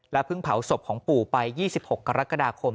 เพิ่งเผาศพของปู่ไป๒๖กรกฎาคม